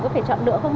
có phải chọn lựa không